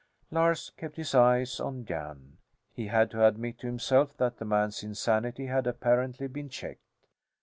Lars kept his eyes on Jan. He had to admit to himself that the man's insanity had apparently been checked.